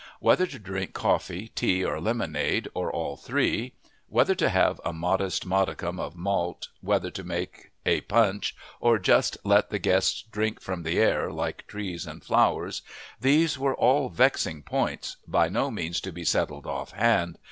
Whether to drink coffee, tea, or lemonade, or all three; whether to have a modest modicum of malt, whether to make a punch or just let the guests drink from the air, like trees and flowers these were all vexing points, by no means to be settled offhand.